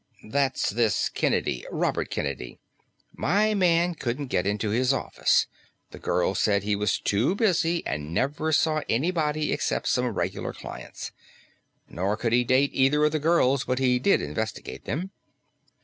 That's this Kennedy, Robert Kennedy. My man couldn't get into his office; the girl said he was too busy and never saw anybody except some regular clients. Nor could he date either of the girls, but he did investigate them.